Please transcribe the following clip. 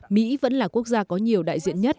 mỹ vẫn là quốc gia có nhiều đại diện nhất